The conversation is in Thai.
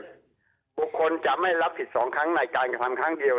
บุคคลจะไม่รับผิด๒ครั้งในการกระทำครั้งเดียว